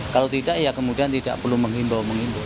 kalau tidak ya kemudian tidak perlu menghimbau menghimbau